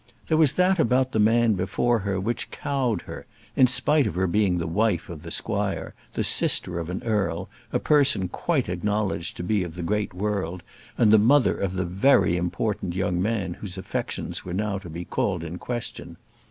There was that about the man before her which cowed her, in spite of her being the wife of the squire, the sister of an earl, a person quite acknowledged to be of the great world, and the mother of the very important young man whose affections were now about to be called in question.